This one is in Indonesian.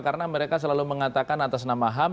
karena mereka selalu mengatakan atas nama ham